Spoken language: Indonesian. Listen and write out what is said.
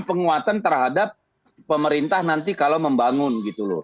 penguatan terhadap pemerintah nanti kalau membangun gitu loh